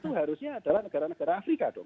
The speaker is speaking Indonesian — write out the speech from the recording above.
itu harusnya adalah negara negara afrika dong